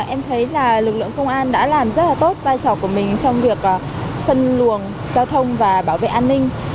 em thấy là lực lượng công an đã làm rất là tốt vai trò của mình trong việc phân luồng giao thông và bảo vệ an ninh